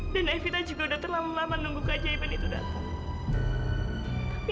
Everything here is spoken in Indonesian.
dan evita juga udah terlalu lama nunggu kajian itu datang